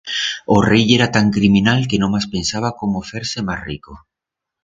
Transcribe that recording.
O rei yera tan criminal que nomás pensaba cómo fer-se mas rico.